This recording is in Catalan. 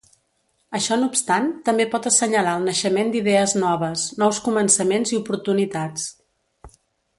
Això no obstant, també pot assenyalar el naixement d’idees noves, nous començaments i oportunitats.